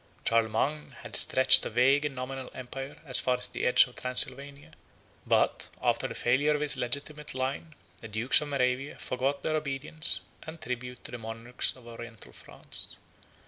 Charlemagne had stretched a vague and nominal empire as far as the edge of Transylvania; but, after the failure of his legitimate line, the dukes of Moravia forgot their obedience and tribute to the monarchs of Oriental France.